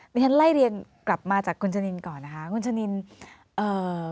ดิฉันไล่เรียงกลับมาจากคุณชะนินก่อนนะคะคุณชะนินเอ่อ